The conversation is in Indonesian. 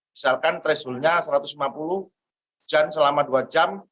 misalkan thresholdnya satu ratus lima puluh hujan selama dua jam